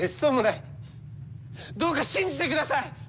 どうか信じてください！